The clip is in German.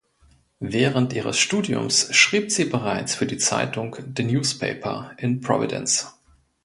Während ihres Studiums schrieb sie bereits für die Zeitung "The Newspaper" in Providence.